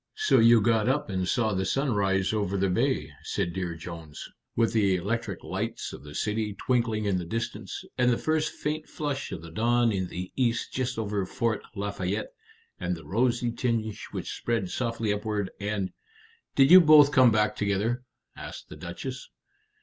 "So you got up and saw the sun rise over the bay," said Dear Jones, "with the electric lights of the city twinkling in the distance, and the first faint flush of the dawn in the east just over Fort Lafayette, and the rosy tinge which spread softly upward, and " "Did you both come back together?" asked the Duchess.